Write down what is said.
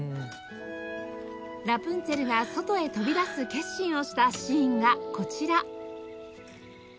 ラプンツェルが外へ飛び出す決心をしたシーンがこちら